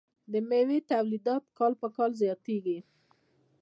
د میوو تولیدات کال په کال زیاتیږي.